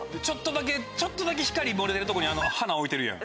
ちょっとだけ光漏れてるとこに花置いてるやん。